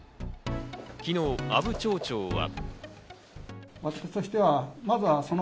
昨日、阿武町長は。